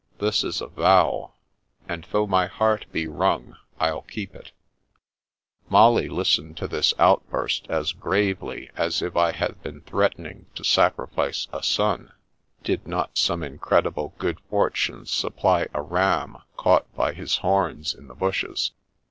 This is a vow, and though my heart be wrung, I'll keep iV Molly listened to this outburst as gravely as if I had been threatening to sacrifice a son, did not some incredible good fortune supply a ram caught by his horns in the bushes.